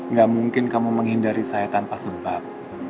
nggak mungkin kamu menghindari saya tanpa sebab